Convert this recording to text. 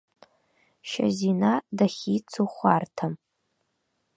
Шьазина дахьицу хәарҭам.